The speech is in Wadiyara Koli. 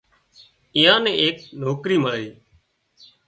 اين نين ايڪ نوڪرِي مۯي